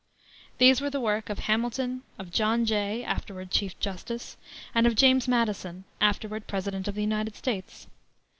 These were the work of Hamilton, of John Jay, afterward Chief Justice, and of James Madison, afterward President of the United States.